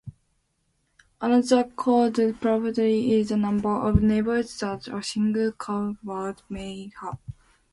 Another code property is the number of neighbors that a single codeword may have.